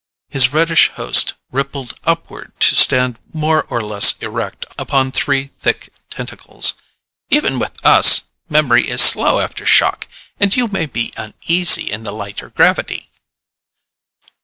His reddish host rippled upward to stand more or less erect upon three thick tentacles. "Even with us, memory is slow after shock. And you may be uneasy in the lighter gravity."